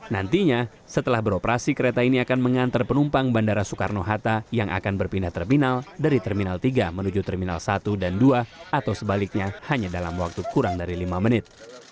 nantinya setelah beroperasi kereta ini akan mengantar penumpang bandara soekarno hatta yang akan berpindah terminal dari terminal tiga menuju terminal satu dan dua atau sebaliknya hanya dalam waktu kurang dari lima menit